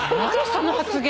その発言。